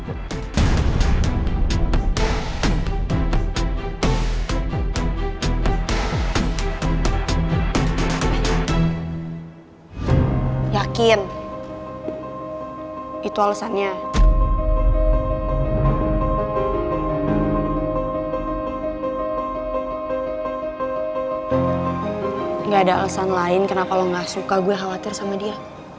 lo gak seharusnya khawatirin dia